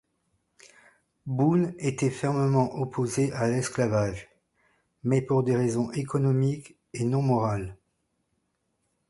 Boone était fermement opposé à l'esclavage, mais pour des raisons économiques et non morales.